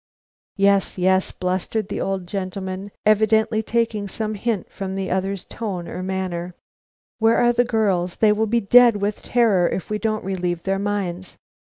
"Yes, yes," blustered the old gentleman, evidently taking some hint from the other's tone or manner. "But where are the girls? They will be dead with terror, if we don't relieve their minds.